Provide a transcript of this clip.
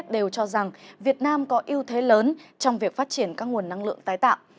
đều cho rằng việt nam có ưu thế lớn trong việc phát triển các nguồn năng lượng tái tạo